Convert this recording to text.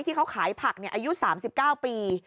ที่เขาขายผักอายุ๓๙ปี